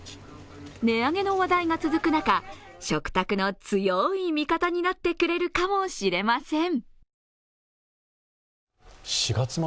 値上げの話題が続く中、食卓の強い味方になってくれるかもしれません。